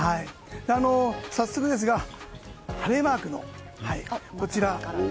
早速、晴れマークのこちら。